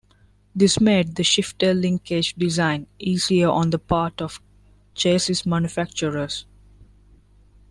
This made the shifter linkage design easier on the part of chassis manufacturers.